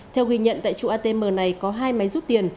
theo ghi nhận tại trụ atm này có hai máy rút tiền